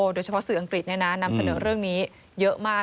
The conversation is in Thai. โดยเฉพาะสื่ออังกฤษเนี่ยนะนำเสนอเรื่องนี้เยอะมาก